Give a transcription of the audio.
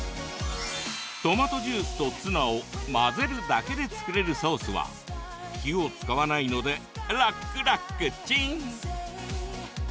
トマトジュースとツナを混ぜるだけで作れるソースは火を使わないのでラックラックチン！